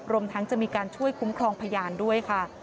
รวมทั้งจะมีการช่วยคุ้มครองพยานด้วยค่ะ